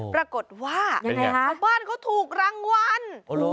ปรากฏว่าบ้านก็ถูกรางวัล